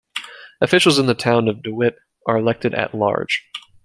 Officials in the Town of DeWitt are elected at-large.